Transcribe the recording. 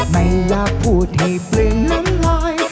ไม่อยากพูดให้เปลืองน้ำลาย